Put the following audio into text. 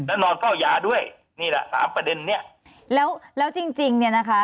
แล้วนอนเฝ้ายาด้วยนี่แหละสามประเด็นเนี้ยแล้วแล้วจริงจริงเนี่ยนะคะ